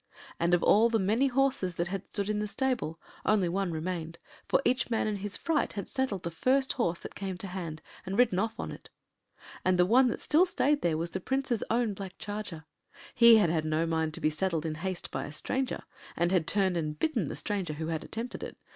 And of all the many horses that had stood in the stable only one remained, for each man in his fright had saddled the first horse that came to hand and ridden off on it. And the one that still stayed there was the Prince’s own black charger. He had had no mind to be saddled in haste by a stranger, and had turned and bitten the stranger who had attempted it.